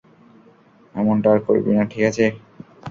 এমনটা আর করবি না, ঠিকাছে?